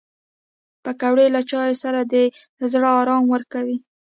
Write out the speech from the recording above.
پکورې له چایو سره د زړه ارام ورکوي